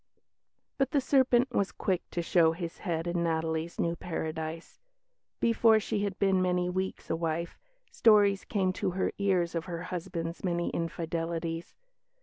But the serpent was quick to show his head in Natalie's new paradise. Before she had been many weeks a wife, stories came to her ears of her husband's many infidelities.